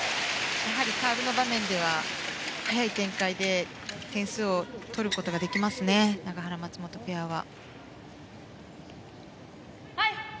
やはりサーブの場面では速い展開で点数を取ることができますね永原、松本ペアは。